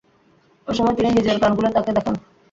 এসময় তিনি নিজের গানগুলো তাকে দেখান।